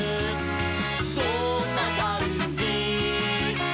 どんなかんじ？」